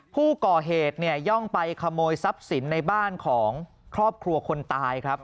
ผู้ก่อเหตุเนี่ยย่องไปขโมยทรัพย์สินในบ้านของครอบครัวคนตายครับ